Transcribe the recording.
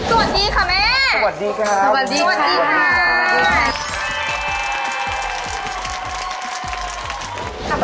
สวัสดีค่ะแม่สวัสดีค่ะสวัสดีค่ะสวัสดีค่ะสวัสดีค่ะสวัสดีค่ะ